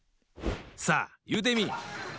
さあいうてみい！